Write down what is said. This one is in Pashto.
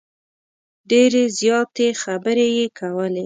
ډیرې زیاتې خبرې یې کولې.